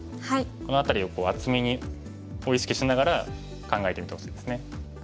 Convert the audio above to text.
この辺りを厚みを意識しながら考えてみてほしいですね。